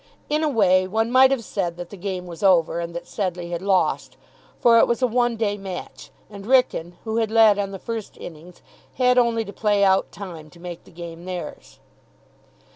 In a way one might have said that the game was over, and that Sedleigh had lost; for it was a one day match, and Wrykyn, who had led on the first innings, had only to play out time to make the game theirs.